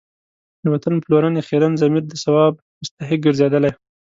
د وطن پلورنې خیرن ضمیر د ثواب مستحق ګرځېدلی.